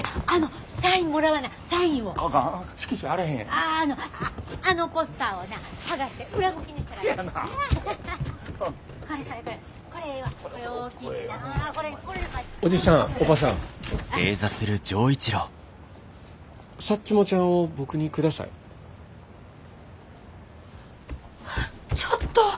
あっちょっと！